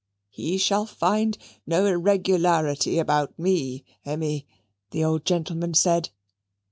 "He shall find no irregularity about ME, Emmy," the old gentleman said.